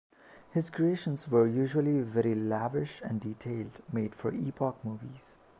His creations were usually very lavish and detailed, made for epoch movies.